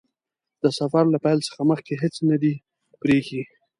د سفر له پیل څخه مخکې هیڅ نه دي پرې ايښي.